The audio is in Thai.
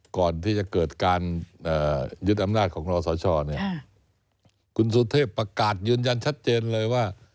ก่อนที่จะเกิดการยึดอำนาจของรอสชเนี่ยคุณสุเทพประกาศยืนยันชัดเจนเลยว่า